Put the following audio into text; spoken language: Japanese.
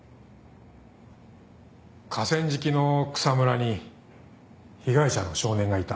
河川敷の草むらに被害者の少年がいた。